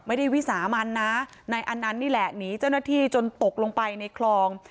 วิสามันนะนายอันนั้นนี่แหละหนีเจ้าหน้าที่จนตกลงไปในคลอง